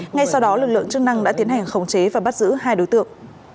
ngay sau đó lực lượng chức năng đã tiến hành khống chế và bắt giữ hai đối tượng